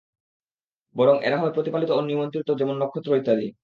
বরং এরা হয় প্রতিপালিত ও নিয়ন্ত্রিত যেমন নক্ষত্র ইত্যাদি।